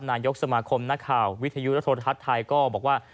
นายกสมาคมนักข่าววิทยุและโทรทัศน์ไทยก็บอกว่า